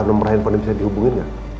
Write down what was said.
nomor handphone yang bisa dihubungin nggak